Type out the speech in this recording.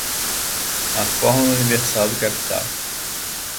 A fórmula universal do capital